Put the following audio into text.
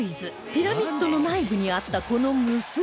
ピラミッドの内部にあったこの無数の穴